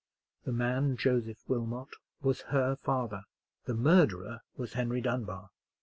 The man Joseph Wilmot was her father: the murderer was Henry Dunbar.